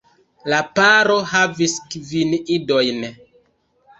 La paro havis kvin idojn.